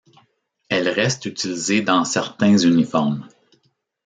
Elles restent utilisées dans certains uniformes.